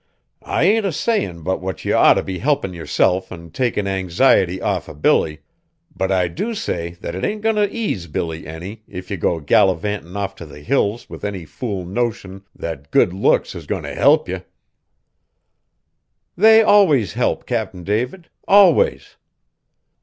"I ain't a sayin' but what ye ought t' be helpin' yerself an' takin' anxiety off o' Billy: but I do say that it ain't goin' t' ease Billy any, if ye go gallivantin' off to the Hills with any fool notion that good looks is goin' t' help ye." "They always help, Cap'n David, always!"